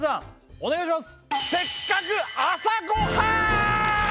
お願いします